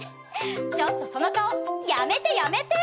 ちょっとその顔やめてやめて。